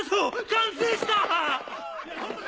完成した！